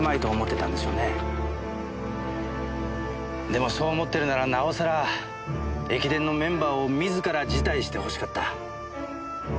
でもそう思ってるならなおさら駅伝のメンバーを自ら辞退してほしかった。